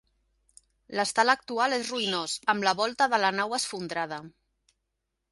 L'estat actual és ruïnós, amb la volta de la nau esfondrada.